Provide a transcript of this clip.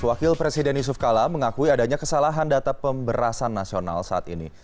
wakil presiden yusuf kala mengakui adanya kesalahan data pemberasan nasional saat ini